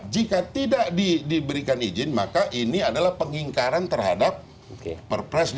jika tidak diberikan izin maka ini adalah pengingkaran terhadap perpres lima puluh dua